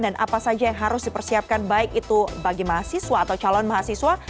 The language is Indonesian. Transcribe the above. dan apa saja yang harus dipersiapkan baik itu bagi mahasiswa atau calon mahasiswa